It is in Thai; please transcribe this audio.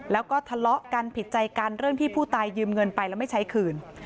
แล้วก็ทะเลาะกันผิดใจกันเรื่องที่ผู้ตายยืมเงินไปแล้วไม่ใช้คืน